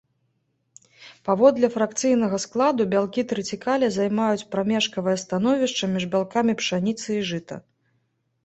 Паводле фракцыйнага складу бялкі трыцікале займаюць прамежкавае становішча між бялкамі пшаніцы і жыта.